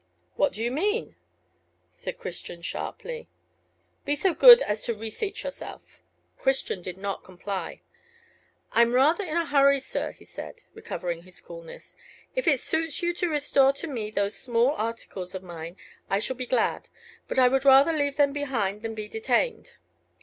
"What do you mean?" said Christian, sharply. "Be so good as to reseat yourself." Christian did not comply. "I'm rather in a hurry, sir," he said, recovering his coolness. "If it suits you to restore to me those small articles of mine, I shall be glad; but I would rather leave them behind than be detained."